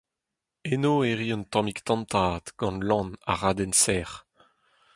Eno e ri un tammig tantad gant lann ha raden sec’h…